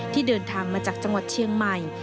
เดินทางมาจากจังหวัดเชียงใหม่